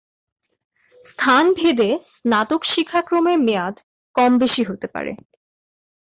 স্থানভেদে স্নাতক শিক্ষাক্রমের মেয়াদ কম-বেশি হতে পারে।